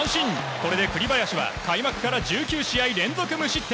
これで栗林は開幕から１９試合連続無失点。